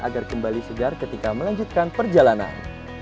agar kembali segar ketika melanjutkan perjalanan